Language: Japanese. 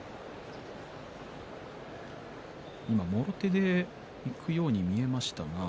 今もろ手でいくように見えましたが。